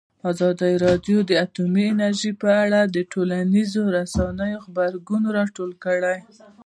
ازادي راډیو د اټومي انرژي په اړه د ټولنیزو رسنیو غبرګونونه راټول کړي.